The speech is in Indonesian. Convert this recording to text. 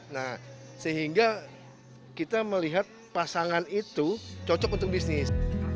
nah sehingga kita melihat pasangan itu cocok untuk bisnis